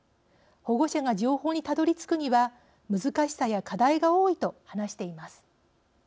保護者が情報にたどりつくには難しさや課題が多い」と話します。